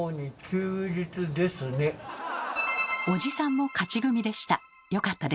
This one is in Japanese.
おじさんも勝ち組でした。